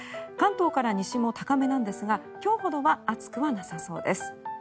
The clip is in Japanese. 関東から西も高めなんですが今日ほどは暑くはなさそうです。